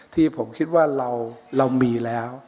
ที่ผมคิดว่าเรามีแล้ว